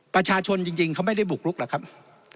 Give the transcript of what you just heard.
ประชาชนจริงเขาไม่ได้บุกลุกหรอกครับ